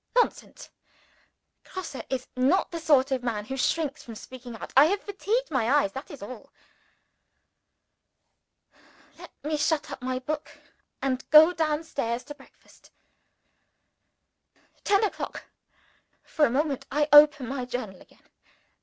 Nonsense! Grosse is not the sort of man who shrinks from speaking out. I have fatigued my eyes that is all. Let me shut up my book, and go down stairs to breakfast. Ten o'clock. For a moment, I open my Journal again.